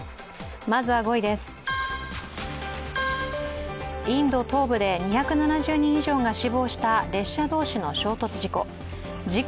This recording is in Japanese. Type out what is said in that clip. まずは５位です、インド東部で２７０人以上が死亡した列車同士の衝突事故。